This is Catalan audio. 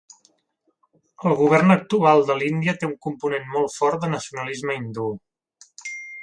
El govern actual de l’Índia té un component molt fort de nacionalisme hindú.